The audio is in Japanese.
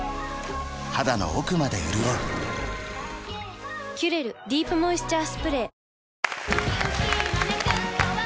肌の奥まで潤う「キュレルディープモイスチャースプレー」